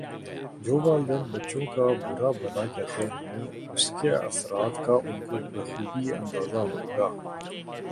جو والدین بچوں کا برا بھلا کہتے ہیں اسکے اثرات کا انکو بخوبی اندازہ ہو گا